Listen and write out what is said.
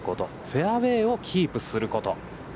フェアウェイをキープすること。